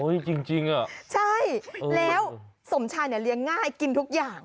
โอ้ยจริงอ่ะใช่แล้วสมชัยเรียงง่ายกินทุกอย่าง